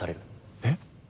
えっ？